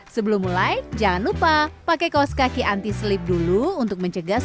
sebelum mulai jangan lupa pakai kaos kaki anti sleep dulu untuk mencegah